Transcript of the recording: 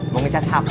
mau ngecas hp